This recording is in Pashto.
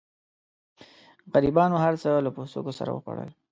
غریبانو هرڅه له پوستکو سره وخوړل.